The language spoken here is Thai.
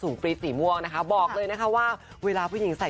มีบางคนเล่นเซอร์ฟเก็ตก็มี